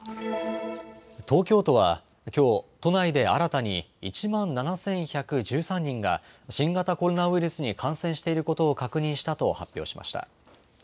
東京都はきょう、都内で新たに１万７１１３人が新型コロナウイルスに感染していることを確認したと発表しました。